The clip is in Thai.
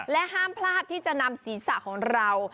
ห้ามพลาดที่จะนำศีรษะของเรา